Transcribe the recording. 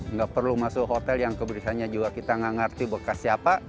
nggak perlu masuk hotel yang keberesannya juga kita nggak ngerti bekas siapa